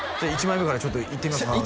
１枚目からちょっといってみますか？